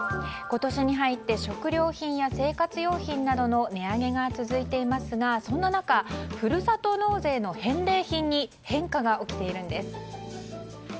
今年に入って食料品や生活用品などの値上げが続いていますがそんな中ふるさと納税の返礼品に変化が起きているんです。